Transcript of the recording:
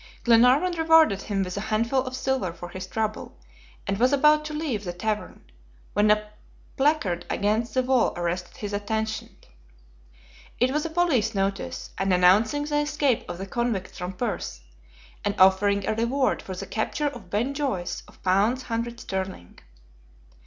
Glenarvan rewarded him with a handful of silver for his trouble, and was about to leave the tavern, when a placard against the wall arrested his attention. It was a police notice, and announcing the escape of the convicts from Perth, and offering a reward for the capture of Ben Joyce of pounds 100 sterling.